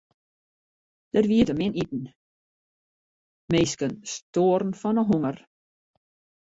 Der wie te min te iten, minsken stoaren fan 'e honger.